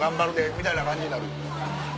みたいな感じになる。